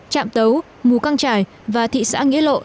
trạm tấu mù căng trải và thị xã nghĩa lộ